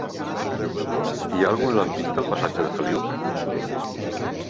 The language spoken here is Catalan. Hi ha algun lampista al passatge de Feliu?